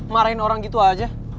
marahin orang gitu aja